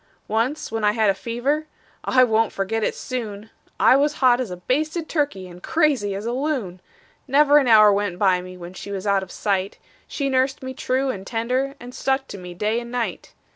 Once when I had a fever I won't forget it soon I was hot as a basted turkey and crazy as a loon; Never an hour went by me when she was out of sight She nursed me true and tender, and stuck to me day and night.